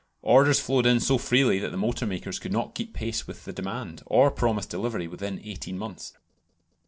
Orders flowed in so freely that the motor makers could not keep pace with the demand, or promise delivery within eighteen months.